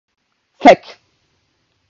Fek.